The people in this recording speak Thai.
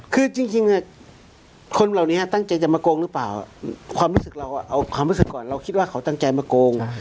คือจริงคนเหล่านี้ตั้งใจจะมาโกงหรือเปล่าความรู้สึกเราเอาความรู้สึกก่อนเราคิดว่าเขาตั้งใจมาโกง